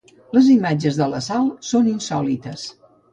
Les imatges de l’assalt són insòlites.